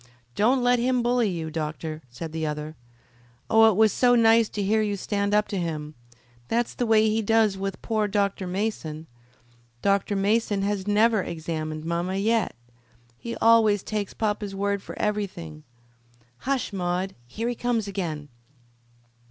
"Don't let him bully you, doctor," said the other. "Oh, it was so nice to hear you stand up to him. That's the way he does with poor Dr. Mason. Dr. Mason has never examined mamma yet. He always takes papa's word for everything. Hush, Maude; here he comes again."